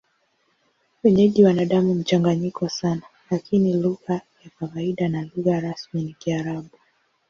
Wenyeji wana damu mchanganyiko sana, lakini lugha ya kawaida na lugha rasmi ni Kiarabu.